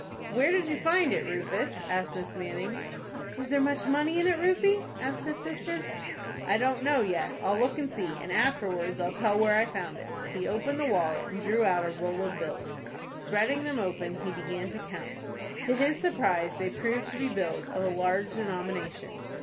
"Where did you find it, Rufus?" asked Miss Manning. "Is there much money in it, Rufie?" asked his sister. "I don't know yet, I'll look and see, and afterwards I'll tell where I found it." He opened the wallet, and drew out a roll of bills. Spreading them open, he began to count. To his surprise they proved to be bills of a large denomination.